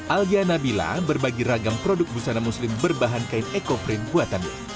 aljana bila berbagi ragam produk busana muslim berbahan kain ekoprint buatannya